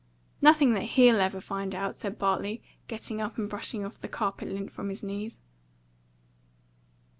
"Nothing that HE'LL ever find out," said Bartley, getting up and brushing off the carpet lint from his knees.